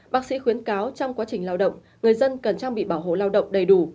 bác sĩ khuyến cáo trong quá trình lao động người dân cần trang bị bảo hộ lao động đầy đủ